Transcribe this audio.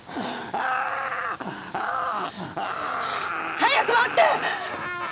早く持って！！